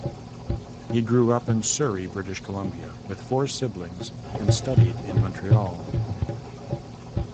He grew up in Surrey, British Columbia, with four siblings, and studied in Montreal.